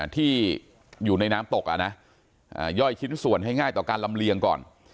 ที่อยู่ในน้ำตกย่อยชิ้นส่วนให้ง่ายต่อการลำเลียงก่อน